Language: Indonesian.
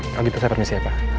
kalau gitu saya permisi ya pak